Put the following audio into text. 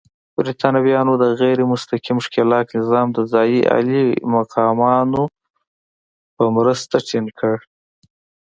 برېټانویانو د غیر مستقیم ښکېلاک نظام د ځايي عالي مقامانو په مرسته ټینګ کړ.